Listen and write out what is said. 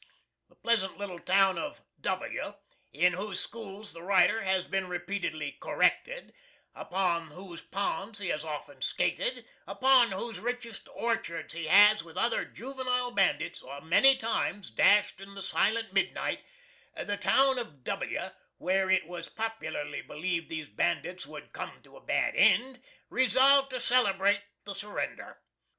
The pleasant little town of W , in whose schools the writer has been repeatedly "corrected," upon whose ponds he has often skated, upon whose richest orchards he has, with other juvenile bandits, many times dashed in the silent midnight; the town of W , where it was popularly believed these bandits would "come to a bad end," resolved to celebrate the surrender.